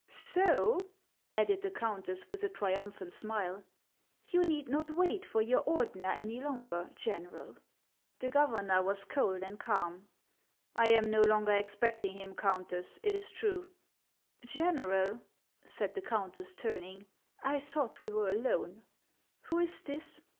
" So," added the countess, with a triumphant smile, " you need not wait for your Ordener any longer, General." HANS OF ICELAND. The governor was cold and calm. " I am no longer expecting him, Countess, it is true." " General," said the countess, turning, " I thought we were alone. Who is this